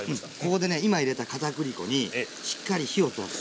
ここでね今入れたかたくり粉にしっかり火を通す。